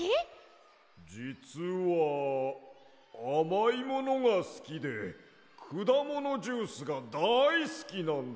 じつはあまいものがすきでくだものジュースがだいすきなんだ。